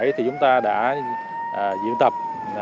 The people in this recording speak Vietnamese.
thì chúng ta đã diễn tập